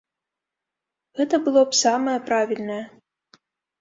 Гэта было б самае правільнае.